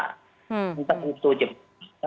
kita butuh jepit